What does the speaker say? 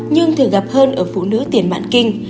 nhưng thường gặp hơn ở phụ nữ tiền bạn kinh